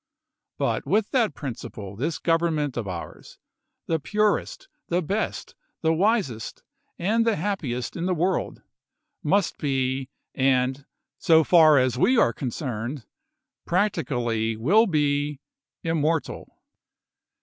But with that principle this government of ^ettys^ ours — the purest, the best, the wisest, and the happiest in the world — must be, and, so far as we are concerned, practically wiU be, immortal.